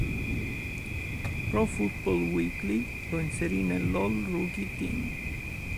Pro Football Weekly lo inserì nell'All-Rookie team.